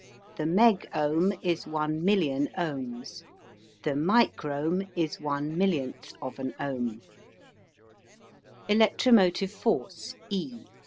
The megohm is one million ohms. The microhm is one millionth of an ohm. ELECTROMOTIVE FORCE E.